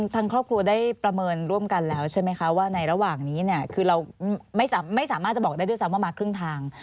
ทางครอบครัวได้ประเมินร่วมกันแล้วใช่ไหมคะว่าในระหว่างนี้เนี่ยคือเราไม่สามารถจะบอกได้ด้วยซ้ำว่ามาครึ่งทาง